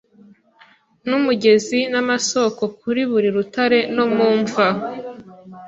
Numugezi namasoko Kuri buri rutare no mu mva;